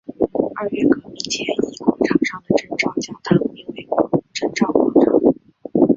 二月革命前以广场上的征兆教堂名为征兆广场。